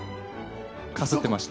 かすってました。